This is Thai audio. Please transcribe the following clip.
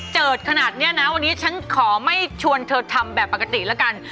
เจิดขนาดนี้นะวันนี้ฉันขอไม่ชวนเธอทำแบบปกติแล้วกัน